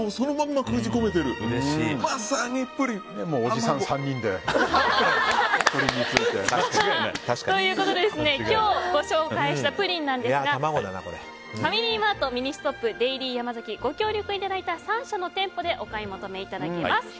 まさにプリン！ということで今日ご紹介したプリンなんですがファミリーマート、ミニストップデイリーヤマザキご協力いただいた３社の店舗でお買い求めいただけます。